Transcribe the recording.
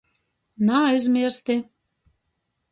Naaizmiersti!